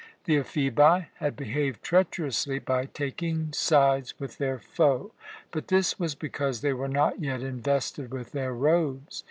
The Ephebi had behaved treacherously by taking sides with their foe. But this was because they were not yet invested with their robes.